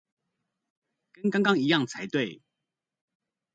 跟剛剛一樣才對